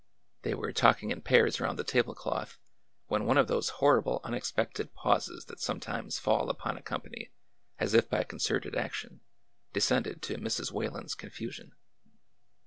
They were talking in pairs around the table cloth, when one of those horrible unexpected pauses that sometimes fall upon a company as if by concerted action, descended to Mrs. Whalen's confusion.